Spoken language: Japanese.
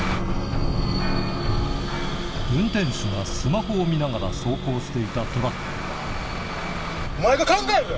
運転手がスマホを見ながら走行していたトラックがお前が考えろや！